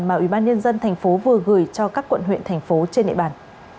mà ubnd tp hcm vừa gửi cho các quận huyện thành phố trên địa bàn